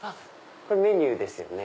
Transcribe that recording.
これメニューですよね。